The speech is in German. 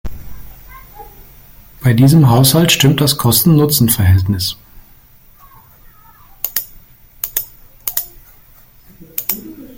Bei diesem Haushalt stimmt das Kosten-Nutzen-Verhältnis.